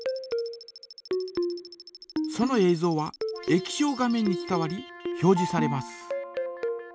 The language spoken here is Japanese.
ぞうは液晶画面に伝わり表じされます。